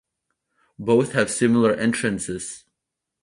Both have similar entrances.